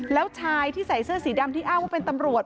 แล้วชายที่ใส่เสื้อสีดำที่อ้างว่าเป็นตำรวจ